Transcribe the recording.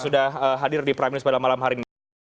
sudah hadir di prime news pada malam hari ini